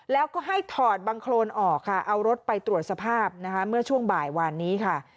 แล้วก็ให้ถอดบังโครนออกค่ะเอารถไปตรวจสภาพนะคะเมื่อช่วงบ่ายวานนี้ค่ะ